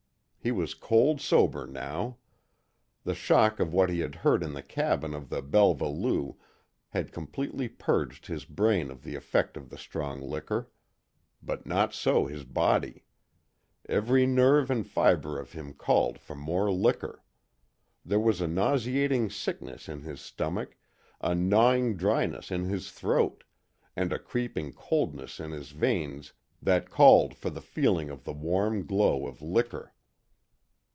He was cold sober, now. The shock of what he had heard in the cabin of the Belva Lou had completely purged his brain of the effect of the strong liquor. But not so his body. Every nerve and fibre of him called for more liquor. There was a nauseating sickness in his stomach, a gnawing dryness in his throat, and a creeping coldness in his veins that called for the feel of the warm glow of liquor.